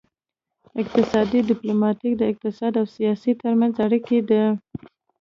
اقتصادي ډیپلوماسي د اقتصاد او سیاست ترمنځ اړیکه ده